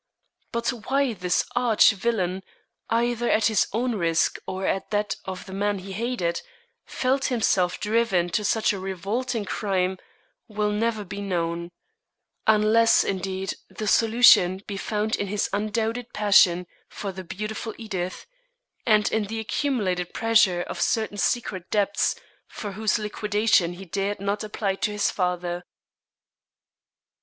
But why this arch villain, either at his own risk or at that of the man he hated, felt himself driven to such a revolting crime, will never be known; unless, indeed, the solution be found in his undoubted passion for the beautiful Edith, and in the accumulated pressure of certain secret debts for whose liquidation he dared not apply to his father.